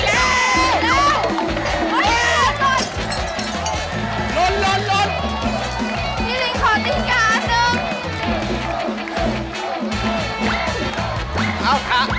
ลมมันรายนะอ๋อลมมันมากมันมาก